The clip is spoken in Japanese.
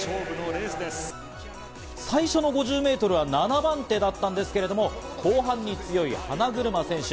最初の５０メートルは７番手だったんですけれども、後半に強い花車選手。